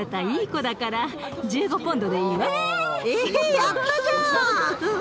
やったじゃん！